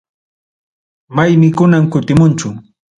Maymi kunan kutimunchu.